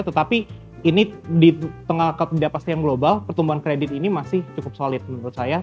tetapi ini di tengah ketidakpastian global pertumbuhan kredit ini masih cukup solid menurut saya